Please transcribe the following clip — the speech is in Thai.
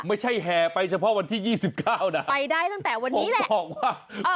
ไม่ใช่แห่ไปเฉพาะวันที่ยี่สิบเก้านะไปได้ตั้งแต่วันนี้แหละ